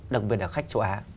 đặc biệt là khách châu á